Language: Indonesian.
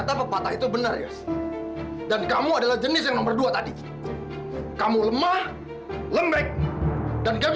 sampai jumpa di video selanjutnya